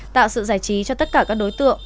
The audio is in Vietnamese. tạo sự giải trí cho tất cả các đối tượng